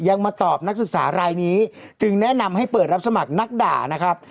มาตอบนักศึกษารายนี้จึงแนะนำให้เปิดรับสมัครนักด่านะครับ